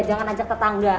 jangan ajak tetangga